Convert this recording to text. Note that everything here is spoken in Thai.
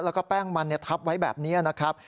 แล้วก็แป้งมันทับไว้แบบนี้นะครับ